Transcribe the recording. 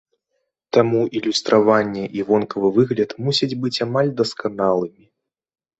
Таму ілюстраванне і вонкавы выгляд мусяць быць амаль дасканалымі.